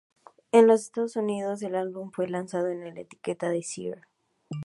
En los Estados Unidos, el álbum fue lanzado en la etiqueta de Sire.